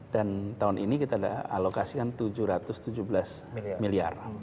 dan tahun ini kita alokasikan tujuh ratus tujuh belas miliar